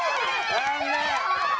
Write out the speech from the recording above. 残念！